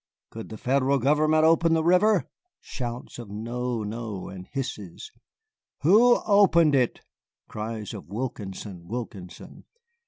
Could the Federal government open the river? [shouts of 'No, no!' and hisses]. Who opened it? [cries of 'Wilkinson, Wilkinson!